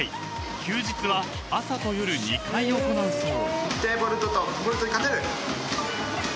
休日は朝と夜２回行うそう］